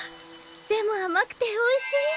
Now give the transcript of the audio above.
でもあまくておいしい！